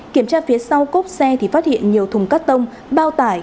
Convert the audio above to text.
kiểm tra phía sau cốp xe thì phát hiện nhiều thùng cắt tông bao tải